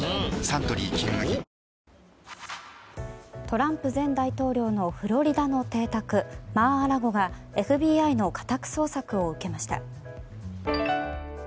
トランプ前大統領のフロリダの邸宅マー・ア・ラゴがＦＢＩの家宅捜索を受けました。